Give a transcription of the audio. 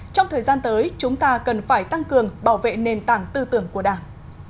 trong thời gian tới chúng ta cần phải tăng cường bảo vệ nền tảng tư tưởng của đảng